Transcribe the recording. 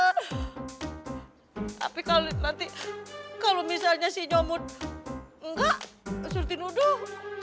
tapi kalo nanti kalo misalnya si nyomut enggak surutin uduh